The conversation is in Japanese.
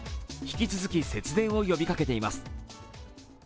引き続き節電を呼びかけています。